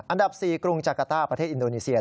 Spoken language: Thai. อันดับ๔กรุงจากาต้าประเทศอินโดนีเซีย